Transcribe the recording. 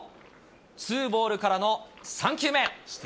ツーボールからの３球目。